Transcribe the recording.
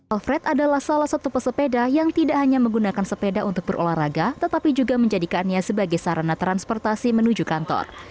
alfred adalah salah satu pesepeda yang tidak hanya menggunakan sepeda untuk berolahraga tetapi juga menjadikannya sebagai sarana transportasi menuju kantor